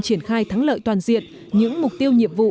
triển khai thắng lợi toàn diện những mục tiêu nhiệm vụ